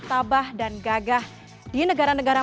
tabah dan gagah di negara negara